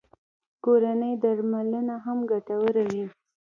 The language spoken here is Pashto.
کورنۍ درملنه هم ګټوره وي